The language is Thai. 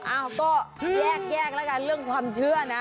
อ้าวก็แยกแล้วกันเรื่องความเชื่อนะ